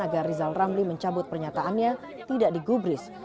agar rizal ramli mencabut pernyataannya tidak digubris